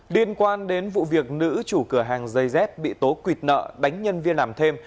điên quan đến vụ việc nữ chủ cửa hàng zz bị tố quỵt nợ đánh nhân viên làm thêm